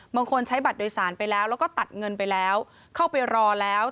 บางคนใช้บัตรโดยสารไปแล้วแล้วก็ตัดเงินไปแล้วเข้าไปรอแล้ว